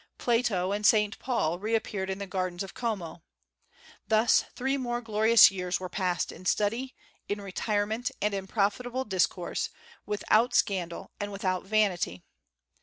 Plato and Saint Paul reappeared in the gardens of Como. Thus three more glorious years were passed in study, in retirement, and in profitable discourse, without scandal and without vanity.